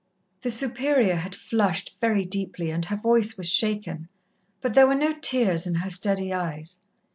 The Superior had flushed very deeply, and her voice was shaken, but there were no tears in her steady eyes.